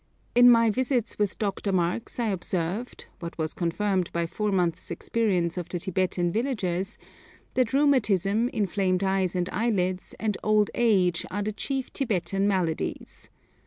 In my visits with Dr. Marx I observed, what was confirmed by four months' experience of the Tibetan villagers, that rheumatism, inflamed eyes and eyelids, and old age are the chief Tibetan maladies.